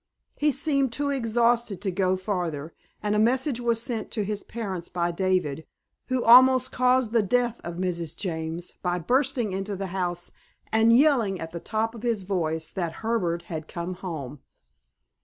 He seemed too exhausted to go farther, and a message was sent to his parents by David, who almost caused the death of Mrs. James by bursting into the house and yelling at the top of his voice that Herbert had come home.